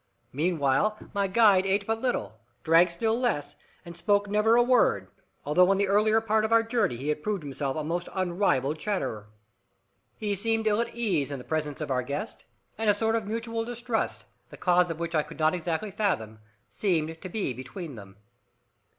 Meanwhile my guide ate but little, drank still less, and spoke never a word, although in the earlier part of our journey he had proved himself a most unrivalled chatterer. He seemed ill at ease in the presence of our guest, and a sort of mutual distrust, the cause of which I could not exactly fathom, seemed to be between them.